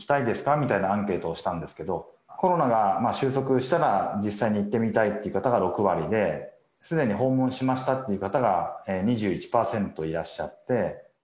みたいなアンケートをしたんですけど、コロナが収束したら実際に行ってみたいっていう方が６割で、すでに訪問しましたっていう方が２１％いらっしゃって。